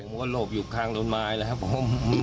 ผมก็หลบอยู่ข้างล้วนไม้เลยครับผม